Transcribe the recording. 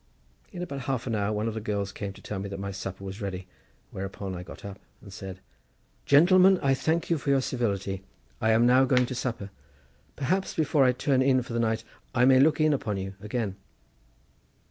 In about half an hour one of the girls came to tell me that my supper was ready, whereupon I got up and said: "Gentlemen, I thank you for your civility; I am now going to supper; perhaps before I turn in for the night I may look in upon you again."